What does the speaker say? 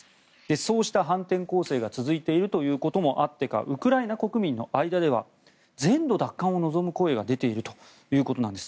そうした反転攻勢が続いているということもあってかウクライナ国民の間では全土奪還を望む声が出ているということなんです。